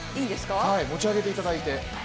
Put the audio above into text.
持ち上げていただいて。